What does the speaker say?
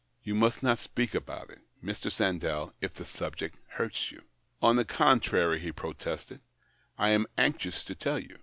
You must not speak about it, Mr. Sandell, if the subject hurts you." " On the contrary," he protested, " I am anxious to tell you.